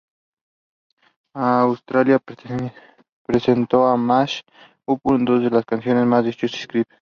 Australia presentó un mash up de dos canciones de la mano de Justice Crew.